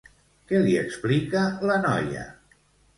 Què li explica la noia?